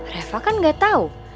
reva kan gak tau